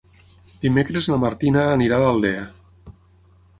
Dimecres na Martina anirà a l'Aldea.